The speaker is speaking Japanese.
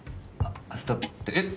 明日ってえっ！